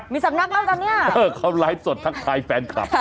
มีสำนักแล้วตอนนี้เขาไลฟ์สดทักทายแฟนคลับ